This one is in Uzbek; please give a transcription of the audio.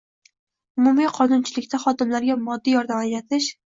Umumiy qonunchilikda xodimlarga moddiy yordam ajratish